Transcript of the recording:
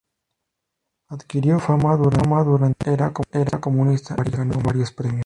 Adquirió fama durante la era comunista y ganó varios premios.